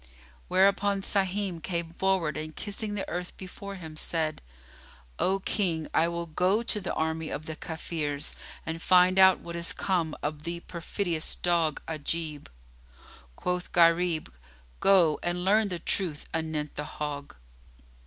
Whereupon Sahim came forward and kissing the earth before him, said, "O King, I will go to the army of the Kafirs and find out what is come of the perfidious dog Ajib." Quoth Gharib, "Go, and learn the truth anent the hog."